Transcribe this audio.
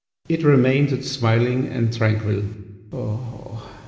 It remained smiling and tranquil.